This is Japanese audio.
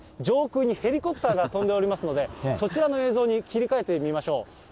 上空にヘリコプターが飛んでおりますので、そちらの映像に切り替えてみましょう。